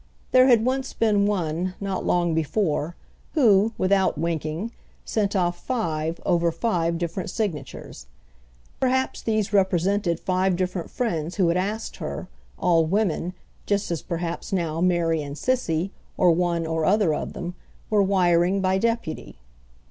There had once been one—not long before—who, without winking, sent off five over five different signatures. Perhaps these represented five different friends who had asked her—all women, just as perhaps now Mary and Cissy, or one or other of them, were wiring by deputy.